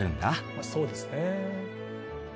まあそうですねえ。